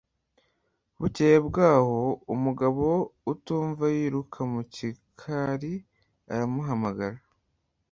bukeye bwaho, umugabo utumva, yiruka mu gikari, aramuhamagara